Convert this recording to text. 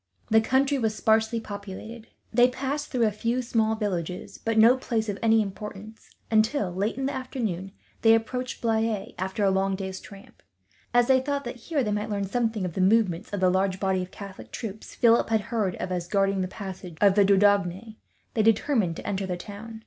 The country was sparsely populated. They passed through a few small villages, but no place of any importance until, late in the afternoon, they approached Blaye, after a long day's tramp. As they thought that here they might learn something, of the movements of the large body of Catholic troops Philip had heard of as guarding the passages of the Dordogne, they determined to enter the town.